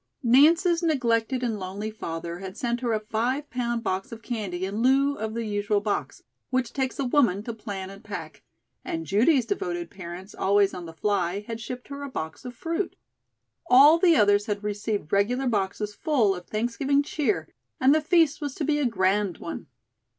Nance's neglected and lonely father had sent her a five pound box of candy in lieu of the usual box, which takes a woman to plan and pack, and Judy's devoted parents, always on the fly, had shipped her a box of fruit. All the others had received regular boxes full of Thanksgiving cheer, and the feast was to be a grand one.